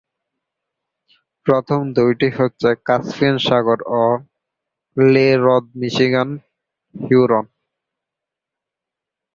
প্রথম দুইটি হচ্ছে কাস্পিয়ান সাগর ও লেহ্রদমিশিগান-হিউরন।